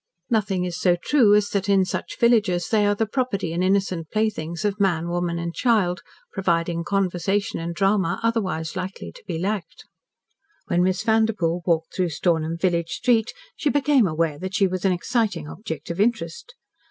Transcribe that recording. Nothing is so true as that in such villages they are the property and innocent playthings of man, woman, and child, providing conversation and drama otherwise likely to be lacked. When Miss Vanderpoel walked through Stornham village street she became aware that she was an exciting object of interest.